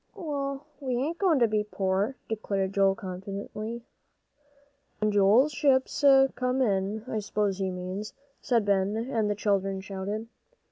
"Well, we ain't goin' to be poor," declared Joel, confidently. "When Joel's ships come in, I s'pose he means," said Ben, and the children shouted.